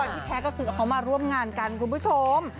ที่แท้ก็คือเขามาร่วมงานกันคุณผู้ชม